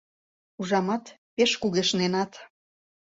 Ужамат, пеш кугешненат.